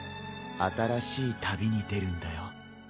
新しい旅に出るんだよ。